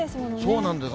そうなんです。